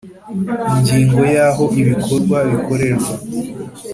Ingingo ya aho ibikorwa bikorerwa